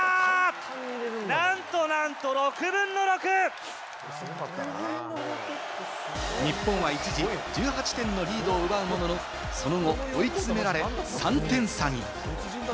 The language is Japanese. なんと６分の６！日本は一時１８点のリードを奪うものの、その後、追い詰められ、３点差に。